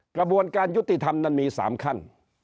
กระบวนการยุติธรรมนั้นมี๓ขั้น